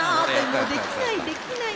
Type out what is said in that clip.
もうできないできない。